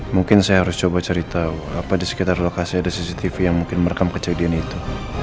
mungkin saya harus coba cari tahu apa di sekitar lokasi ada cctv yang mungkin merekam kejadian itu